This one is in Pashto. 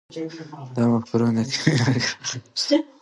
دا مفکوره د کیمیاګر د اصلي فلسفې بنسټ دی.